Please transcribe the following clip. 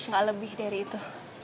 gak lebih dari itu